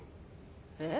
えっ？